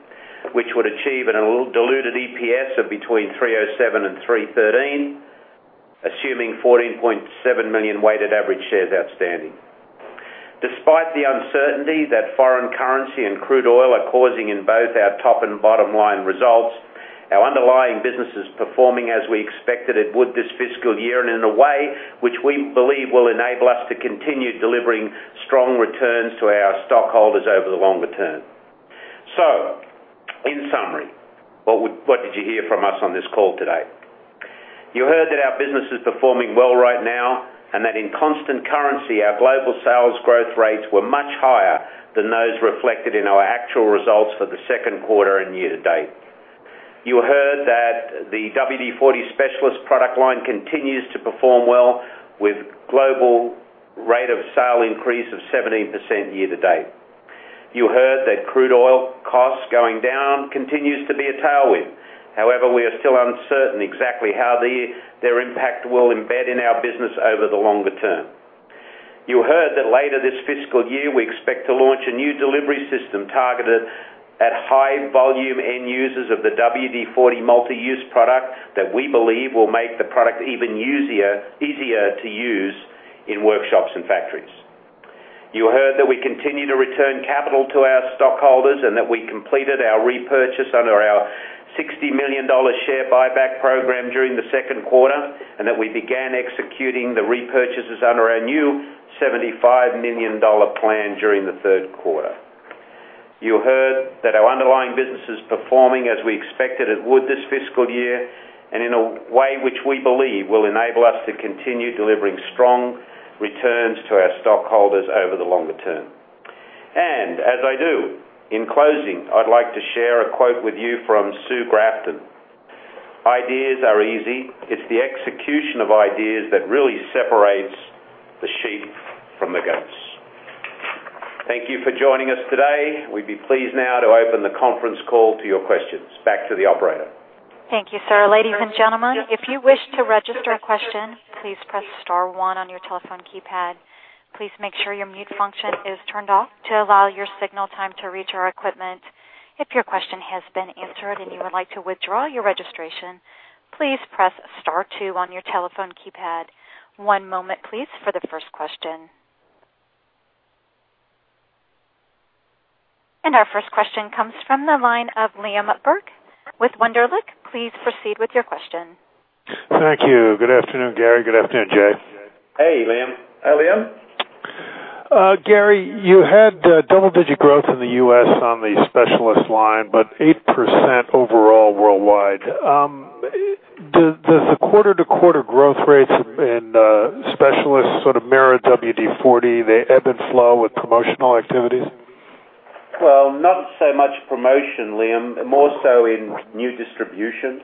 which would achieve a diluted EPS of between $3.07 and $3.13, assuming 14.7 million weighted average shares outstanding. Despite the uncertainty that foreign currency and crude oil are causing in both our top and bottom line results, our underlying business is performing as we expected it would this fiscal year and in a way which we believe will enable us to continue delivering strong returns to our stockholders over the longer term. In summary, what did you hear from us on this call today? You heard that our business is performing well right now and that in constant currency, our global sales growth rates were much higher than those reflected in our actual results for the second quarter and year-to-date. You heard that the WD-40 Specialist product line continues to perform well with global rate of sale increase of 17% year-to-date. You heard that crude oil costs going down continues to be a tailwind. However, we are still uncertain exactly how their impact will embed in our business over the longer term. You heard that later this fiscal year, we expect to launch a new delivery system targeted at high-volume end users of the WD-40 Multi-Use Product that we believe will make the product even easier to use in workshops and factories. You heard that we continue to return capital to our stockholders and that we completed our repurchase under our $60 million share buyback program during the second quarter, and that we began executing the repurchases under our new $75 million plan during the third quarter. You heard that our underlying business is performing as we expected it would this fiscal year, and in a way which we believe will enable us to continue delivering strong returns to our stockholders over the longer term. As I do, in closing, I'd like to share a quote with you from Sue Grafton. "Ideas are easy. It's the execution of ideas that really separates the sheep from the goats." Thank you for joining us today. We'd be pleased now to open the conference call to your questions. Back to the operator. Thank you, sir. Ladies and gentlemen, if you wish to register a question, please press *1 on your telephone keypad. Please make sure your mute function is turned off to allow your signal time to reach our equipment. If your question has been answered and you would like to withdraw your registration, please press *2 on your telephone keypad. One moment, please, for the first question. Our first question comes from the line of Liam Burke with Wunderlich. Please proceed with your question. Thank you. Good afternoon, Garry. Good afternoon, Jay. Hey, Liam. Hi, Liam. Garry, you had double-digit growth in the U.S. on the WD-40 Specialist line, 8% overall worldwide. Does the quarter-to-quarter growth rates in WD-40 Specialist sort of mirror WD-40, the ebb and flow with promotional activities? Not so much promotion, Liam, more so in new distribution.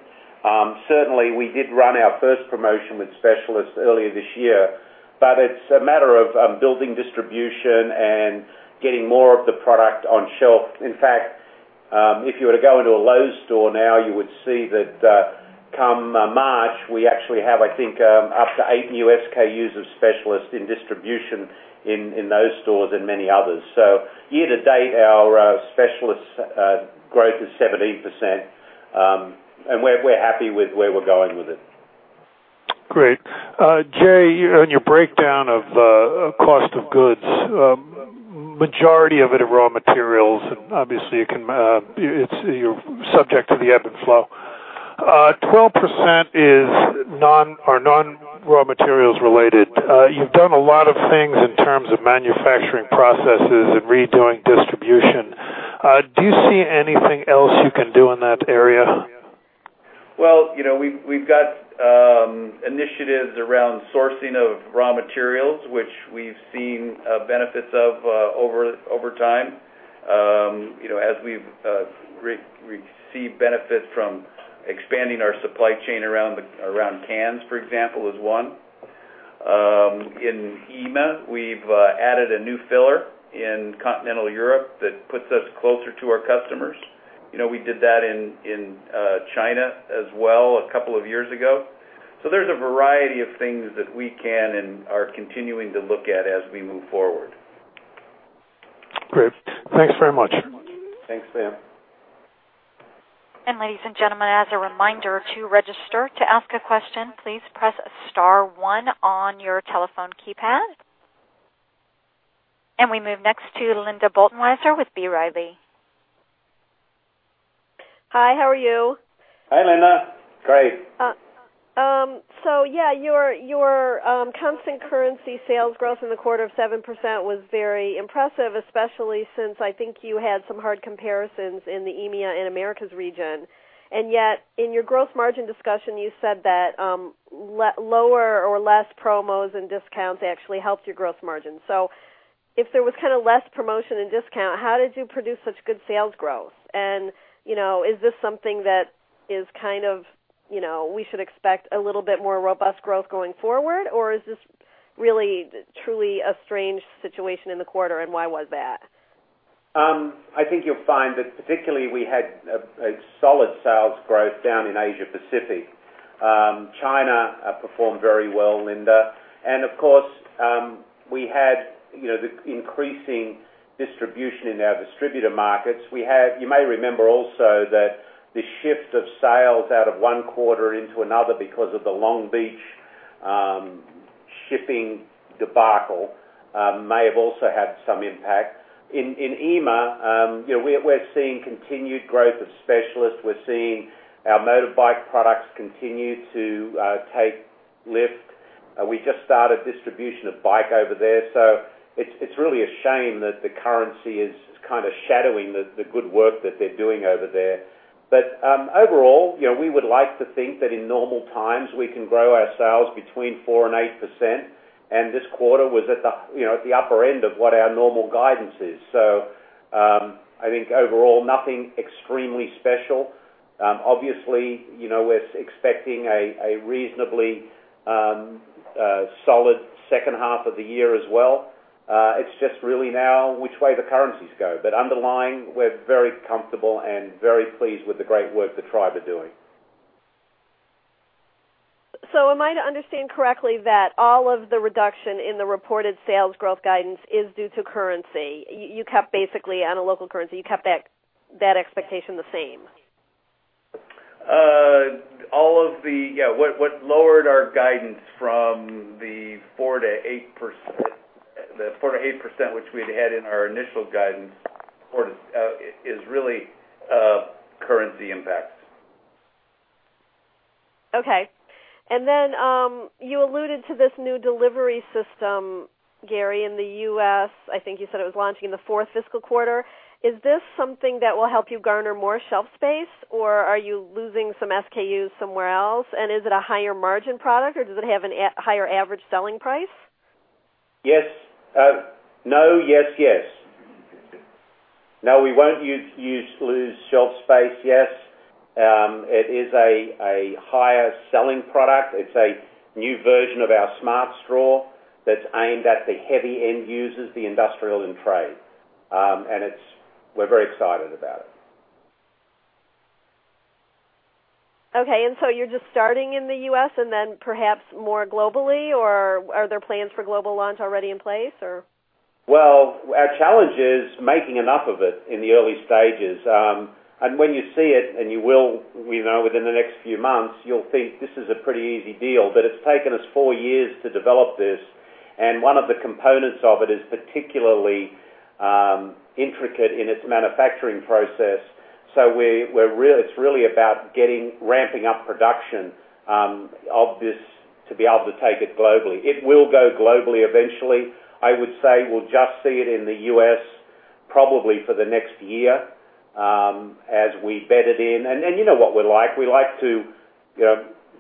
Certainly, we did run our first promotion with WD-40 Specialist earlier this year, it's a matter of building distribution and getting more of the product on shelf. In fact, if you were to go into a Lowe's store now, you would see that come March, we actually have, I think, up to 8 new SKUs of WD-40 Specialist in distribution in those stores and many others. Year to date, our WD-40 Specialist growth is 17%, and we're happy with where we're going with it. Great. Jay, on your breakdown of cost of goods, majority of it are raw materials, and obviously, you're subject to the ebb and flow. 12% are non-raw materials related. You've done a lot of things in terms of manufacturing processes and redoing distribution. Do you see anything else you can do in that area? We've got initiatives around sourcing of raw materials, which we've seen benefits of over time. As we've received benefits from expanding our supply chain around cans, for example, is one. In EMEA, we've added a new filler in Continental Europe that puts us closer to our customers. We did that in China as well a couple of years ago. There's a variety of things that we can and are continuing to look at as we move forward. Great. Thanks very much. Thanks, Liam. Ladies and gentlemen, as a reminder, to register to ask a question, please press star one on your telephone keypad. We move next to Linda Bolton-Weiser with B. Riley. Hi, how are you? Hi, Linda. Great. Yeah, your constant currency sales growth in the quarter of 7% was very impressive, especially since I think you had some hard comparisons in the EMEA and Americas region. Yet, in your gross margin discussion, you said that lower or less promos and discounts actually helped your gross margin. If there was kind of less promotion and discount, how did you produce such good sales growth? Is this something that is kind of we should expect a little bit more robust growth going forward, or is this really truly a strange situation in the quarter, and why was that? I think you'll find that particularly we had a solid sales growth down in Asia Pacific. China performed very well, Linda. Of course, we had the increasing distribution in our distributor markets. You may remember also that the shift of sales out of one quarter into another because of the Long Beach shipping debacle may have also had some impact. In EMEA, we're seeing continued growth of Specialists. We're seeing our motorbike products continue to take lift. We just started distribution of BIKE over there. It's really a shame that the currency is kind of shadowing the good work that they're doing over there. Overall, we would like to think that in normal times, we can grow our sales between 4%-8%, and this quarter was at the upper end of what our normal guidance is. I think overall, nothing extremely special. Obviously, we're expecting a reasonably solid second half of the year as well. It's just really now which way the currencies go. Underlying, we're very comfortable and very pleased with the great work the tribe are doing. Am I to understand correctly that all of the reduction in the reported sales growth guidance is due to currency? You kept, basically, on a local currency, you kept that expectation the same. What lowered our guidance from the 4%-8%, which we'd had in our initial guidance forward, is really currency impacts. Okay. Then, you alluded to this new delivery system, Garry, in the U.S. I think you said it was launching in the fourth fiscal quarter. Is this something that will help you garner more shelf space, or are you losing some SKUs somewhere else? Is it a higher margin product, or does it have a higher average selling price? Yes. No. Yes, yes. No, we won't lose shelf space. Yes, it is a higher selling product. It's a new version of our Smart Straw that's aimed at the heavy end users, the industrial and trade. We're very excited about it. Okay. You're just starting in the U.S. and then perhaps more globally, or are there plans for global launch already in place, or? Well, our challenge is making enough of it in the early stages. When you see it, and you will within the next few months, you'll think this is a pretty easy deal, but it's taken us four years to develop this. One of the components of it is particularly intricate in its manufacturing process. It's really about ramping up production of this to be able to take it globally. It will go globally eventually. I would say we'll just see it in the U.S. probably for the next year, as we bed it in. You know what we're like. We like to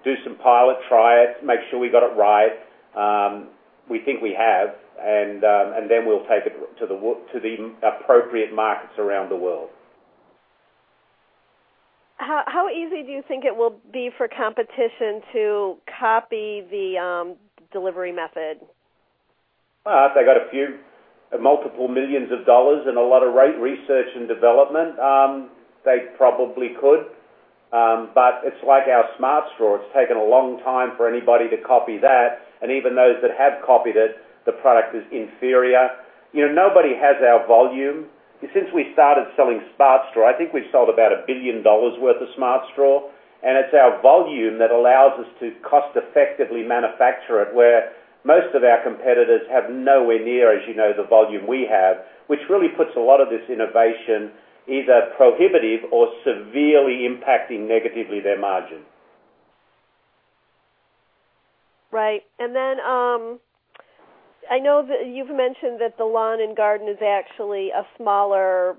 do some pilot, try it, make sure we got it right. We think we have. We'll take it to the appropriate markets around the world. How easy do you think it will be for competition to copy the delivery method? If they got a few multiple millions of dollars and a lot of research and development, they probably could. It's like our Smart Straw. It's taken a long time for anybody to copy that. Even those that have copied it, the product is inferior. Nobody has our volume. Since we started selling Smart Straw, I think we've sold about $1 billion worth of Smart Straw. It's our volume that allows us to cost effectively manufacture it, where most of our competitors have nowhere near, as you know, the volume we have, which really puts a lot of this innovation either prohibitive or severely impacting negatively their margin. Right. I know that you've mentioned that the lawn and garden is actually a smaller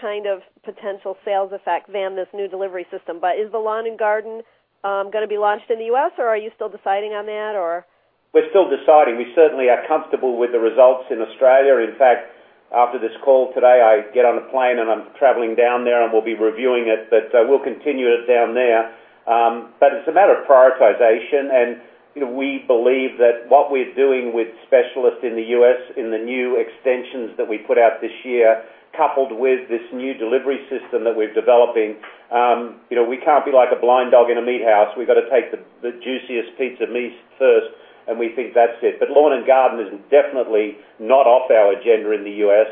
kind of potential sales effect than this new delivery system. Is the lawn and garden going to be launched in the U.S., or are you still deciding on that, or? We're still deciding. We certainly are comfortable with the results in Australia. In fact, after this call today, I get on a plane and I'm traveling down there, and we'll be reviewing it. We'll continue it down there. It's a matter of prioritization, and we believe that what we're doing with Specialist in the U.S. in the new extensions that we put out this year, coupled with this new delivery system that we're developing. We can't be like a blind dog in a meat house. We've got to take the juiciest piece of meat first, and we think that's it. Lawn and garden is definitely not off our agenda in the U.S.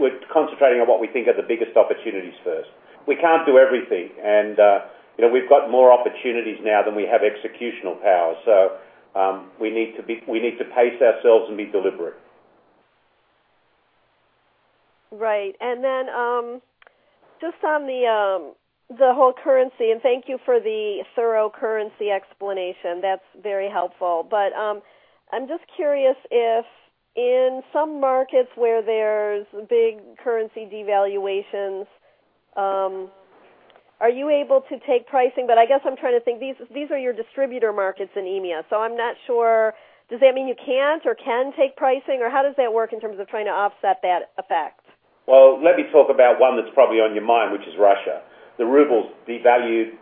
We're concentrating on what we think are the biggest opportunities first. We can't do everything, and we've got more opportunities now than we have executional power. We need to pace ourselves and be deliberate. Right. Just on the whole currency, and thank you for the thorough currency explanation. That's very helpful. I'm just curious if in some markets where there's big currency devaluations, are you able to take pricing? I guess I'm trying to think, these are your distributor markets in EMEA, so I'm not sure. Does that mean you can't or can take pricing, or how does that work in terms of trying to offset that effect? Let me talk about one that's probably on your mind, which is Russia. The Ruble devalued,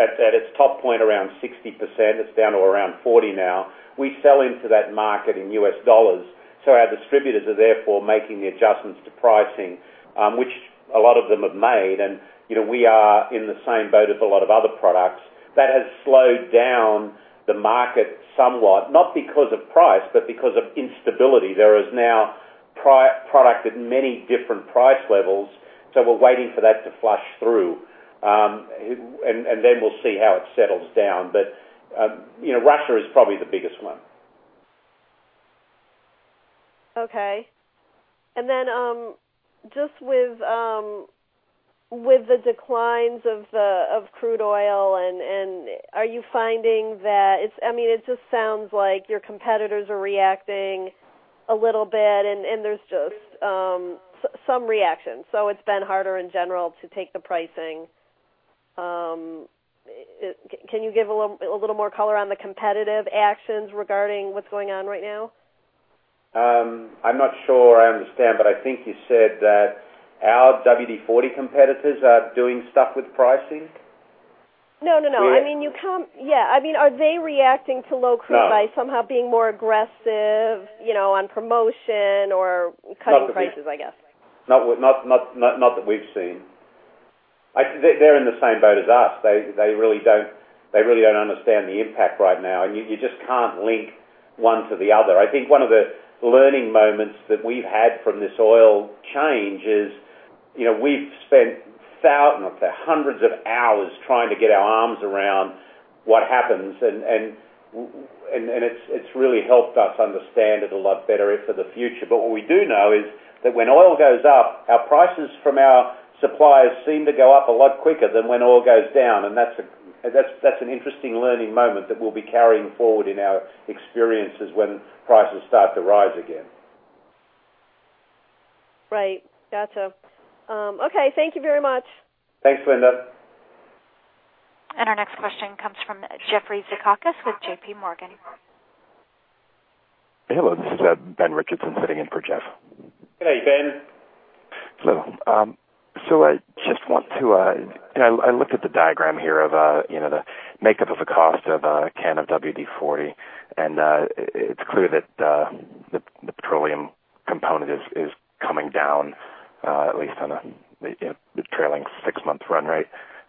at its top point, around 60%. It's down to around 40 now. We sell into that market in US dollars, so our distributors are therefore making the adjustments to pricing, which a lot of them have made. We are in the same boat as a lot of other products. That has slowed down the market somewhat, not because of price, but because of instability. There is now product at many different price levels, so we're waiting for that to flush through. We'll see how it settles down. Russia is probably the biggest one. Okay. Just with the declines of crude oil, are you finding that it's, I mean, it just sounds like your competitors are reacting a little bit and there's just some reaction. It's been harder in general to take the pricing? Can you give a little more color on the competitive actions regarding what's going on right now? I'm not sure I understand, but I think you said that our WD-40 competitors are doing stuff with pricing? No. Yeah? Yeah. Are they reacting to low crude- No by somehow being more aggressive on promotion or cutting prices, I guess? Not that we've seen. They're in the same boat as us. They really don't understand the impact right now. You just can't link one to the other. I think one of the learning moments that we've had from this oil change is we've spent thousands, hundreds of hours trying to get our arms around what happens, and it's really helped us understand it a lot better for the future. What we do know is that when oil goes up, our prices from our suppliers seem to go up a lot quicker than when oil goes down. That's an interesting learning moment that we'll be carrying forward in our experiences when prices start to rise again. Right. Gotcha. Okay, thank you very much. Thanks, Linda. Our next question comes from Jeffrey Zekauskas with JPMorgan Chase. Hello, this is Ben Richardson sitting in for Jeff. Hey, Ben. Hello. I looked at the diagram here of the makeup of the cost of a can of WD-40, and it's clear that the petroleum component is coming down, at least on the trailing six-month run rate.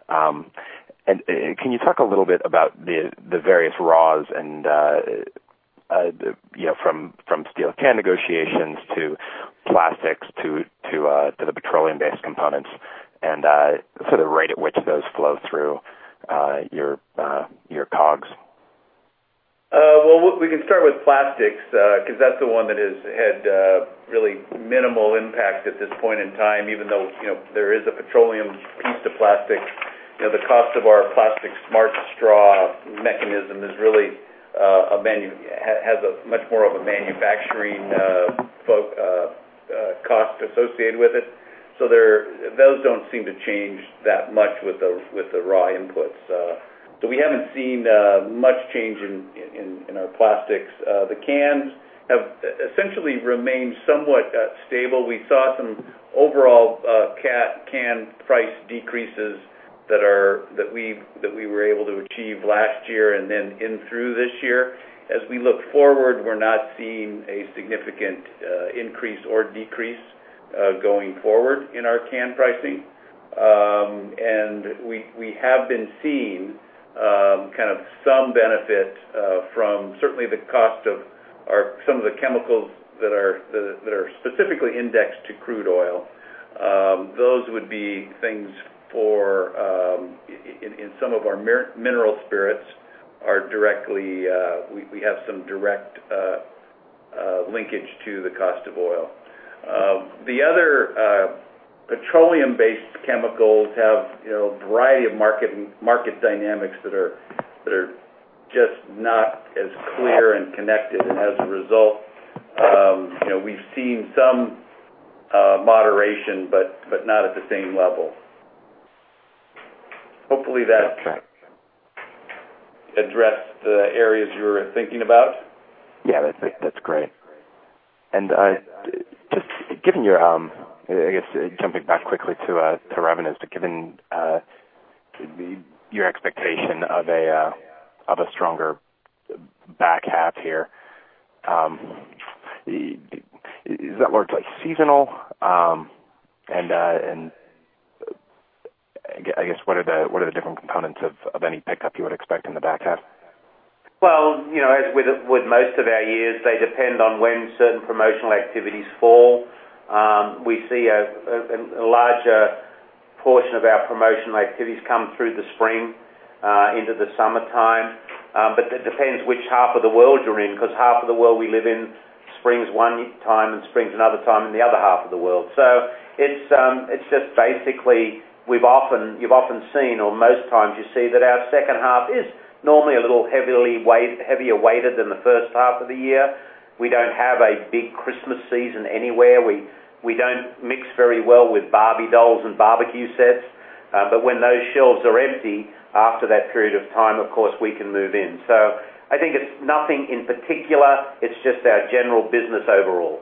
Can you talk a little bit about the various raws from steel can negotiations to plastics to the petroleum-based components and the rate at which those flow through your COGS? Well, we can start with plastics, because that's the one that has had really minimal impact at this point in time, even though there is a petroleum piece to plastic. The cost of our plastic Smart Straw mechanism has much more of a manufacturing cost associated with it. Those don't seem to change that much with the raw inputs. We haven't seen much change in our plastics. The cans have essentially remained somewhat stable. We saw some overall can price decreases that we were able to achieve last year and then in through this year. As we look forward, we're not seeing a significant increase or decrease going forward in our can pricing. We have been seeing some benefit from certainly the cost of some of the chemicals that are specifically indexed to crude oil. Those would be things in some of our mineral spirits, we have some direct linkage to the cost of oil. The other petroleum-based chemicals have a variety of market dynamics that are just not as clear and connected. As a result, we've seen some moderation, but not at the same level. Hopefully that Okay addressed the areas you were thinking about. Yeah, that's great. Just giving your, I guess, jumping back quickly to revenues, but given your expectation of a stronger back half here, is that largely seasonal? I guess what are the different components of any pickup you would expect in the back half? Well, as with most of our years, they depend on when certain promotional activities fall. We see a larger portion of our promotional activities come through the spring into the summertime. It depends which half of the world you're in, because half of the world we live in, spring is one time and spring is another time in the other half of the world. It's just basically, you've often seen, or most times you see that our second half is normally a little heavier weighted than the first half of the year. We don't have a big Christmas season anywhere. We don't mix very well with Barbie dolls and barbecue sets. When those shelves are empty after that period of time, of course, we can move in. I think it's nothing in particular. It's just our general business overall.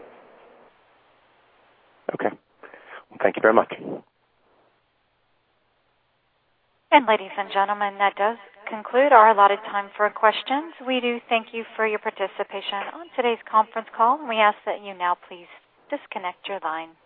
Okay. Thank you very much. Ladies and gentlemen, that does conclude our allotted time for questions. We do thank you for your participation on today's conference call, and we ask that you now please disconnect your line.